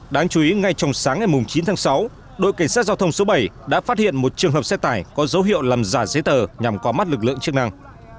đáng chú ý ngay trong sáng ngày chín tháng sáu đội cảnh sát giao thông số bảy đã phát hiện một trường hợp xe tải có dấu hiệu làm giả giấy tờ nhằm có mắt lực lượng chức năng